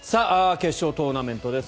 決勝トーナメントです。